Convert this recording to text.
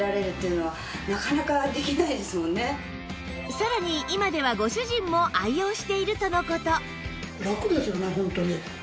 さらに今ではご主人も愛用しているとの事